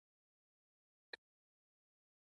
ایا ستاسو ویناوې اوریدونکي نلري؟